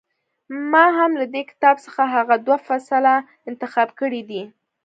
ما هم له دې کتاب څخه هغه دوه فصله انتخاب کړي دي.